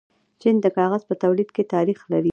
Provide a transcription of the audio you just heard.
چین د کاغذ په تولید کې تاریخ لري.